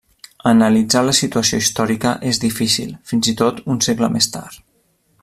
Analitzar la situació històrica és difícil, fins i tot un segle més tard.